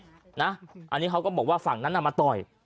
อันนี้เขาก็บอกว่าฝั่งนั้นมาต่อย